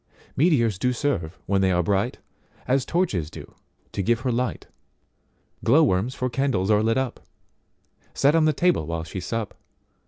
Meteors do serve, when they are bright, As torches do, to give her light, Glow worms for candles are lit up, Set on the table while she sup.